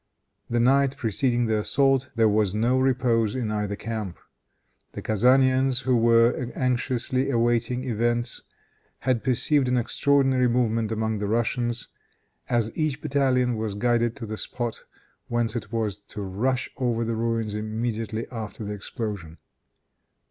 The night preceding the assault there was no repose in either camp. The Kezanians, who were anxiously awaiting events, had perceived an extraordinary movement among the Russians, as each battalion was guided to the spot whence it was to rush over the ruins immediately after the explosion.